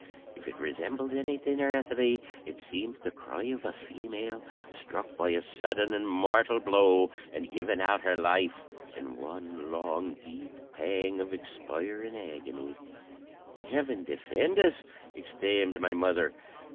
If it resembled anything earthly it seemed the cry of a female, struck by a sudden and mortal blow, and giving out her life in one long deep pang of expiring agony. 'Heaven defend us!' exclaimed my mother.